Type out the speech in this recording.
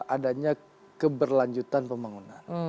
adanya keberlanjutan pembangunan